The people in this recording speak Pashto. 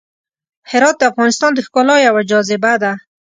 هرات د افغانستان د ښکلا یوه جاذبه ده.